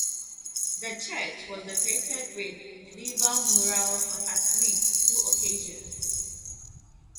The church was decorated with medieval murals on at least two occasions.